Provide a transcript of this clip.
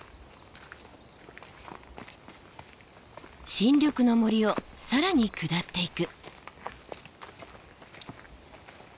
新緑の森を更に下っていく。